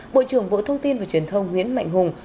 bộ trưởng bộ thông tin và truyền thông nguyễn mạnh hùng